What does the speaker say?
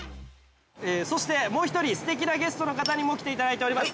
◆そしてもう一人、すてきなゲストの方にも来ていただいています。